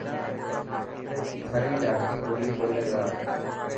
ٿري ڌاٽڪي ٻولي ٻولي ٿا.